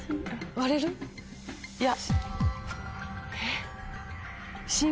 割れる？いや。